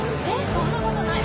そんなことない。